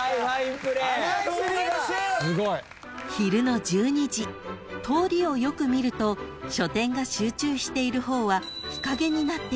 ［昼の１２時通りをよく見ると書店が集中している方は］